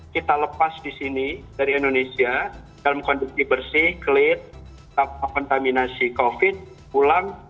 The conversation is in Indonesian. kita lepas di sini dari indonesia dalam kondisi bersih clean tanpa kontaminasi covid pulang ke tanah